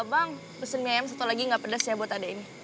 bang pesen mie ayam satu lagi nggak pedas ya buat ada ini